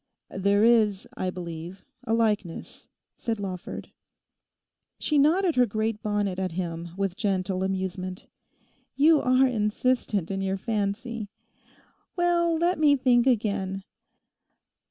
_' 'There is, I believe, a likeness,' said Lawford. She nodded her great bonnet at him with gentle amusement. 'You are insistent in your fancy. Well, let me think again.